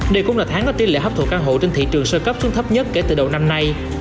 đây cũng là tháng có tỷ lệ hấp thụ căn hộ trên thị trường sơ cấp xuống thấp nhất kể từ đầu năm nay